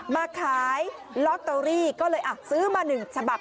มาขายลอตเตอรี่ก็เลยซื้อมา๑ฉบับ